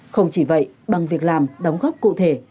không chỉ vậy bằng việc làm đóng góp cụ thể